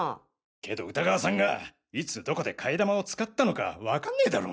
けど歌川さんがいつどこで替え玉を使ったのか分かんねぇだろ。